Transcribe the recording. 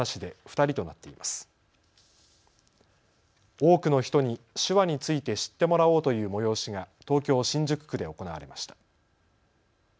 多くの人に手話について知ってもらおうという催しが東京新宿区で行われました。